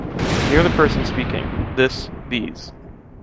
Near the person speaking: “this”, “these”.